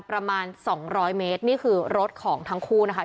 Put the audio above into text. ประมาณสองร้อยเมตรนี่คือรถของทั้งคู่นะคะ